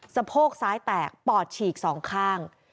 โพกซ้ายแตกปอดฉีกสองข้าง